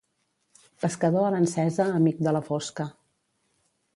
Pescador a l'encesa, amic de la fosca.